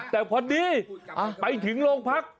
แต่พอดีไปถึงโรงพัก